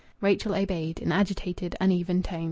Rachel obeyed, in agitated, uneven tones.